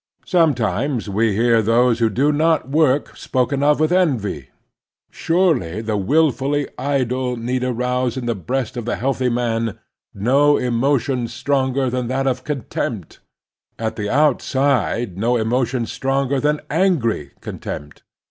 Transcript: Sometimes we hear those who do not work spoken of with envy. Surely the wilfully idle need arouse in the breast of a healthy man no emotion stronger than that National Duties 267 of contempt — at the outside no emotion stronger than angry contempt.